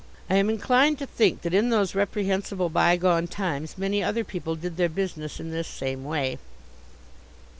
I am inclined to think that in those reprehensible bygone times, many other people did their business in this same way.